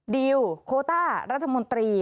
ดีลโคต้ารัฐมนตรี